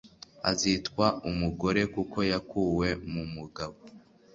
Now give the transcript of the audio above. azitwa umugore kuko yakuwe mu mugabo